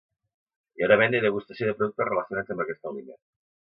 Hi haurà venda i degustació de productes relacionats amb aquest aliment.